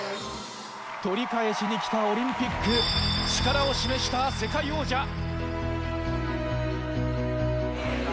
取り返しに来たオリンピック力を示した世界王者！